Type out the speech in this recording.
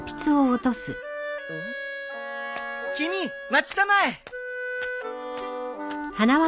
君待ちたまえ！